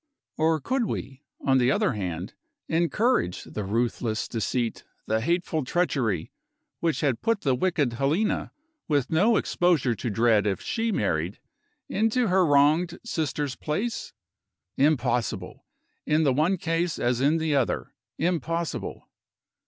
Or could we, on the other hand, encourage the ruthless deceit, the hateful treachery, which had put the wicked Helena with no exposure to dread if she married into her wronged sister's place? Impossible! In the one case as in the other, impossible!